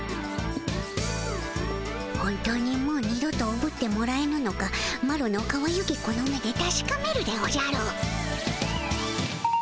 本当にもう二度とおぶってもらえぬのかマロのかわゆきこの目でたしかめるでおじゃる。